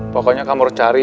pokoknya kamu harus cari